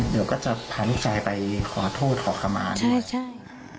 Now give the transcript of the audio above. เดี๋ยวก็จะพาลูกชายไปขอโทษขอขมานใช่ใช่